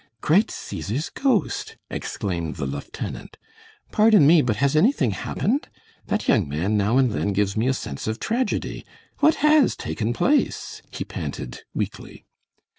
"Great Caesar's ghost!" exclaimed the lieutenant; "pardon me, but has anything happened? That young man now and then gives me a sense of tragedy. What HAS taken place?" he panted, weakly.